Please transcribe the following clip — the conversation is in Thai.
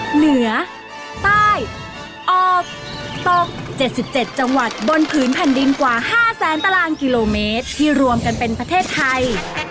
เหนือใต้ออกตก๗๗จังหวัดบนผืนแผ่นดินกว่า๕แสนตารางกิโลเมตรที่รวมกันเป็นประเทศไทย